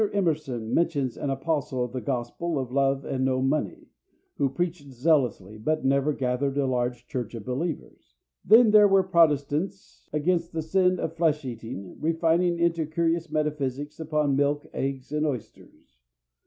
Emerson mentions an apostle of the gospel of love and no money, who preached zealously, but never gathered a large church of believers. Then there were the protestants against the sin of flesh eating, refining into curious metaphysics upon milk, eggs, and oysters.